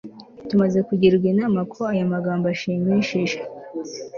Tumaze kugirwa inama ko aya magambo ashimishije